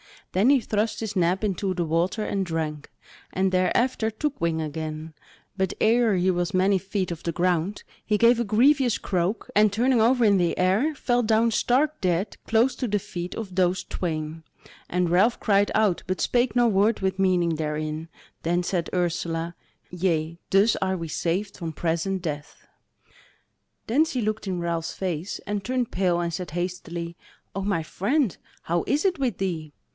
Then he thrust his neb into the water and drank, and thereafter took wing again; but ere he was many feet off the ground he gave a grievous croak, and turning over in the air fell down stark dead close to the feet of those twain; and Ralph cried out but spake no word with meaning therein; then said Ursula: "Yea, thus are we saved from present death." Then she looked in Ralph's face, and turned pale and said hastily: "O my friend how is it with thee?"